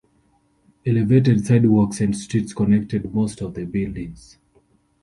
Elevated sidewalks and streets connected most of the buildings.